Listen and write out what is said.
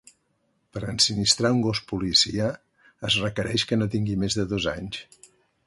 Per ensinistrar un gos policia es requereix que no tingui més de dos anys.